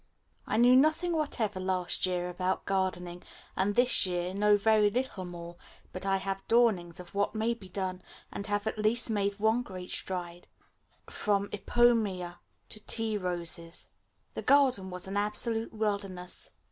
I knew nothing whatever last year about gardening and this year know very little more, but I have dawnings of what may be done, and have at least made one great stride from ipomaea to tea roses. The garden was an absolute wilderness.